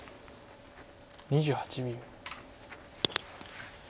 ２８秒。